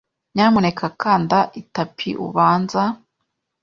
Nyamuneka kanda itapi, ubanza.